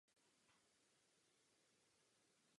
Popisují se i závažné či dlouhodobé vedlejší účinky.